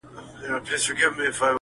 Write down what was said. چي له چا سره قدرت وي زور اوشته وي -